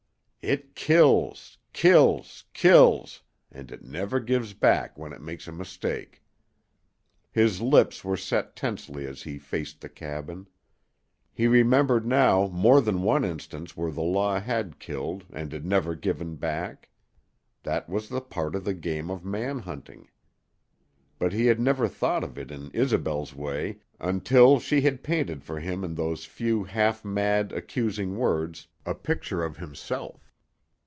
"It kills kills kills and it never gives back when it makes a mistake." His lips were set tensely as he faced the cabin. He remembered now more than one instance where the Law had killed and had never given back. That was a part of the game of man hunting. But he had never thought of it in Isobel's way until she had painted for him in those few half mad, accusing words a picture of himself.